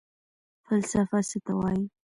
فلسفه څه ته وايي؟